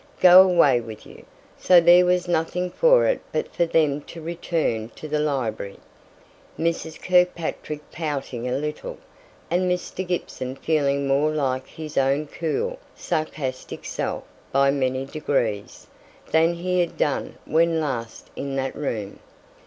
Go away with you." So there was nothing for it but for them to return to the library; Mrs. Kirkpatrick pouting a little, and Mr. Gibson feeling more like his own cool, sarcastic self, by many degrees, than he had done when last in that room.